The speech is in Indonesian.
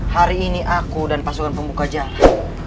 hari ini aku dan pasukan pembuka jalan